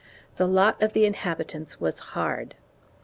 The lot of the inhabi tants was hard.